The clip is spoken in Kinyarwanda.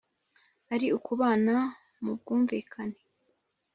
ari ukubana mu bwumvikane